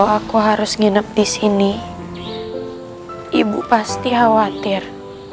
kalau aku harus nginep disini ibu pasti khawatir